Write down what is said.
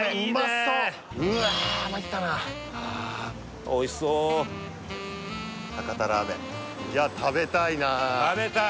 参ったなおいしそう博多ラーメンいや食べたいな食べたい！